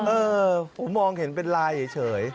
เออผมมองเห็นเป็นลายเฉย